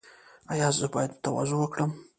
ایا زه باید تواضع وکړم؟